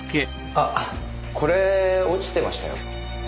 あっこれ落ちてましたよ。